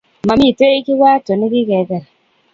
Mamitei kiwato nikikeker.